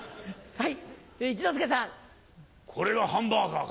はい。